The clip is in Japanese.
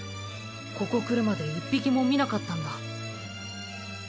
ここ来るまで１匹も見なかったんだ。